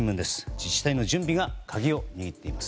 自治体の準備が鍵を握っています。